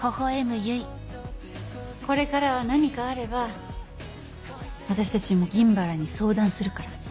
これからは何かあれば私たちも銀原に相談するから。